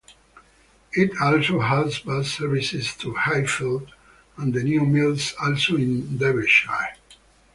It also has bus services to Hayfield and New Mills also in Derbyshire.